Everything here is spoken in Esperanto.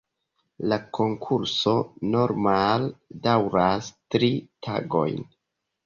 La konkurso normale daŭras tri tagojn.